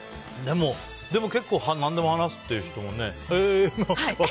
でも、結構何でも話すっていう人もね。